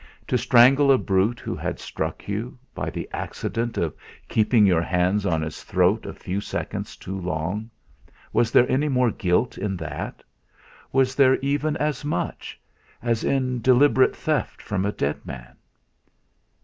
To strangle a brute who had struck you, by the accident of keeping your hands on his throat a few seconds too long, was there any more guilt in that was there even as much, as in deliberate theft from a dead man?